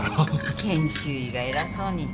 研修医が偉そうに。